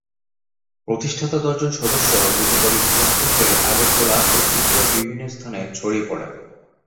প্রতিষ্ঠাতা দশজন সদস্য দুটি দলে বিভক্ত হয়ে আগরতলা ও ত্রিপুরার বিভিন্ন স্থানে ছড়িয়ে পড়েন।